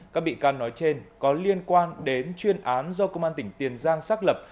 các bị can nói trên có liên quan đến chuyên án do công an tỉnh tiền giang xác lập